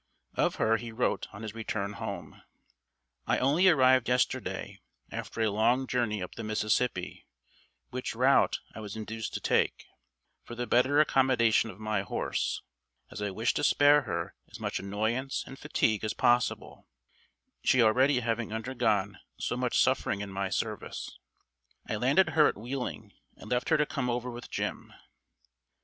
Of her he wrote on his return home: "I only arrived yesterday, after a long journey up the Mississippi, which route I was induced to take, for the better accommodation of my horse, as I wished to spare her as much annoyance and fatigue as possible, she already having undergone so much suffering in my service. I landed her at Wheeling and left her to come over with Jim."